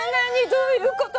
どういうこと？